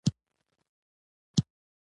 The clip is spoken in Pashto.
وخت تېرېدو سره یې د رمې ترکیب بدل کړ.